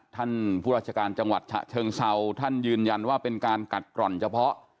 ผู้ราชการจังหวัดฉะเชิงเซาท่านยืนยันว่าเป็นการกัดกร่อนเฉพาะ